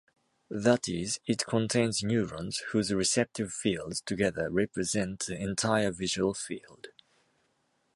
That is, it contains neurons whose receptive fields together represent the entire visual field.